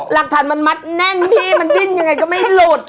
หลักฐานมันมัดแน่นพี่มันดิ้นยังไงก็ไม่หลุด